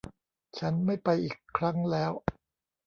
ฉันไม่ไปอีกครั้งแล้ว